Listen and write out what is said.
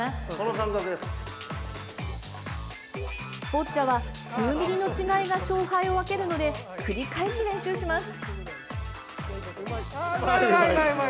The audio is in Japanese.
ボッチャは数ミリの違いが勝敗を分けるので繰り返し練習します。